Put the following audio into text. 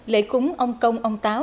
lễ cúng ông công ông táo